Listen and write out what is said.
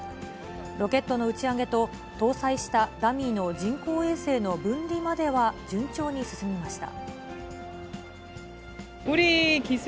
ロケットの打ち上げと、搭載したダミーの人工衛星の分離までは順調に進みました。